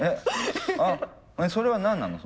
あそれは何なの？